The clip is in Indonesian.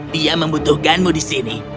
dia membutuhkanmu di sini